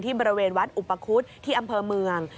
บริเวณวัดอุปคุฎที่อำเภอเมือง